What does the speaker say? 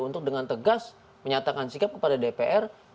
untuk dengan tegas menyatakan sikap kepada dpr